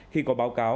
khi có báo cáo